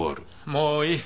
もういい。